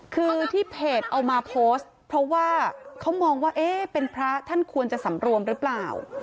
คือที่เพจเอามาโพสต์เพราะว่าเขามองว่าเอ๊ะเป็นพระท่านควรจะสำรวมหรือเปล่า